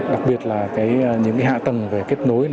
đặc biệt là những hạ tầng về kết nối